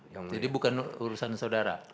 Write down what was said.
jadi bukan urusan saudara